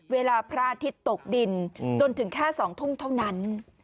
พระอาทิตย์ตกดินจนถึงแค่๒ทุ่มเท่านั้น